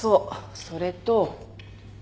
それと。